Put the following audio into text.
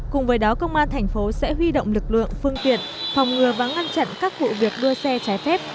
cùng với đó công an thành phố sẽ huy động lực lượng phương tiện phòng ngừa và ngăn chặn các vụ việc đua xe trái phép